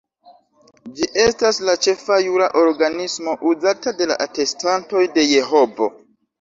Ĝi estas la ĉefa jura organismo uzata de la Atestantoj de Jehovo.